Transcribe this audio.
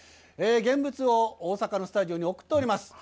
現物を大阪のスタジオに送っております。